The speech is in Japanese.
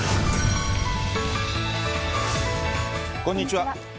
こんにちは。